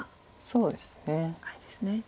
そうですね。